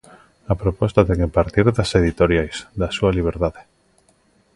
A proposta ten que partir das editoriais, da súa liberdade.